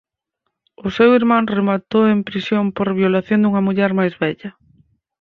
O seu irmán rematou en prisión por violación dunha muller máis vella.